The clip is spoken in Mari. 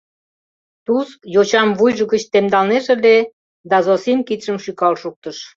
— Туз йочам вуйжо гыч темдалнеже ыле, да Зосим кидшым шӱкал шуктыш.